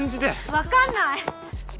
分かんない！